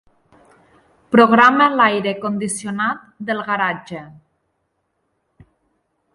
Programa l'aire condicionat del garatge.